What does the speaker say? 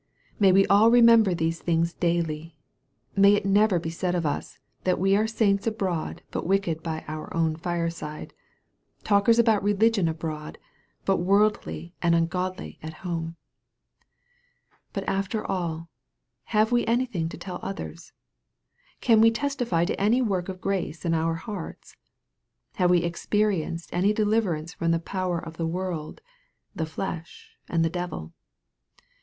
May we all remember these things daily ! May it never be said of us, that we are saints abroad but wicked by our own fireside talkers about re ligion abroad, but worldly and ungodly at home ! But after all, Have we anything to tell others ? Can we testify to any work of grace in our hearts ? Have we experienced any deliverance from the power of the world, the flesh, and the devil